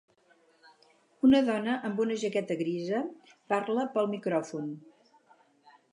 Una dona amb una jaqueta grisa parla pel micròfon.